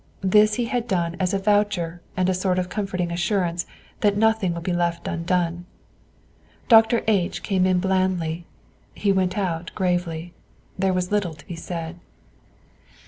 This he had done as a voucher and a sort of comforting assurance that nothing would be left undone. Dr. H came in blandly; he went out gravely. There was little to be said.